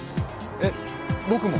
えっ僕も？